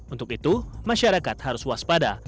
untuk itu masyarakat harus waspada